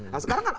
nah sekarang kan